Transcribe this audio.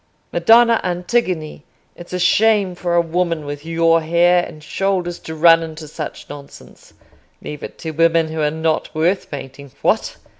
Madonna Antigone, it's a shame for a woman with your hair and shoulders to run into such nonsense—leave it to women who are not worth painting. What!